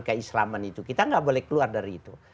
keislaman itu kita nggak boleh keluar dari itu